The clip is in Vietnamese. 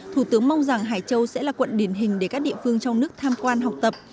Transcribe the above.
thủ tướng mong rằng hải châu sẽ là quận điển hình để các địa phương trong nước tham quan học tập